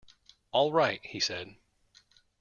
"All right," he said.